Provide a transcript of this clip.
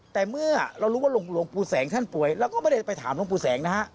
แต่เมื่อเรารู้ว่าหลวงปู่แสงท่านป่วยเราก็ไม่ได้ไปถามหลวงปู่แสงนะฮะ